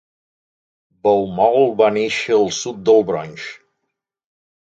Baumol va néixer al sud del Bronx.